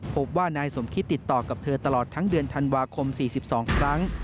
พบว่านายสมคิตติดต่อกับเธอตลอดทั้งเดือนธันวาคม๔๒ครั้ง